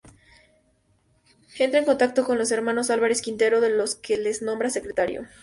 Entra en contacto con los hermanos Álvarez Quintero, de los que le nombran secretario.